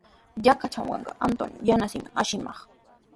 Yachaywasitrawqa Antonio yanasaami asichimaq.